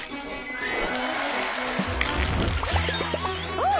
あっ。